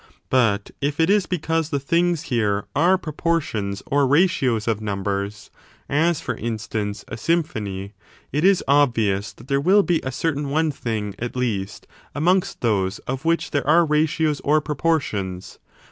But if it is because the things here are proportions or ratios of numbers, — as, for instance, a symphony, — ^it is obvious that there will be a certain one thing, at least, amongst those of which there are ratios or proportions.